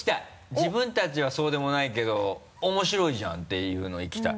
自分たちはそうでもないけど「面白いじゃん！」っていうのいきたい。